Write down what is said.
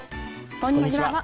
こんにちは。